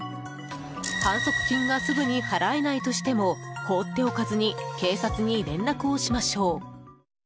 反則金がすぐに払えないとしても放っておかずに警察に連絡をしましょう。